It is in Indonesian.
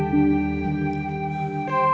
belom tak mampu